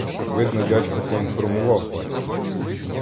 Видно, дядько поінформував "батька".